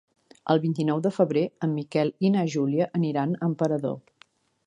El vint-i-nou de febrer en Miquel i na Júlia aniran a Emperador.